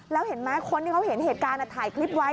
แล้วเห็นไหมคนที่เขาเห็นเหตุการณ์ถ่ายคลิปไว้